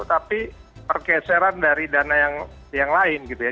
tapi pergeseran dari dana yang lain gitu ya